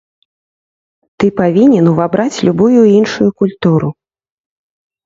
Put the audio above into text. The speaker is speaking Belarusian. Ты павінен увабраць любую іншую культуру.